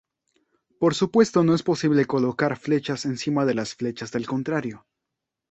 Por supuesto no es posible colocar flechas encima de las flechas del contrario.